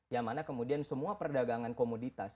yang mana kemudian semua perdagangan komoditas